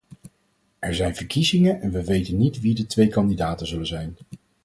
Er zijn verkiezingen en we weten niet wie de twee kandidaten zullen zijn.